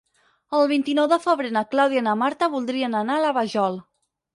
El vint-i-nou de febrer na Clàudia i na Marta voldrien anar a la Vajol.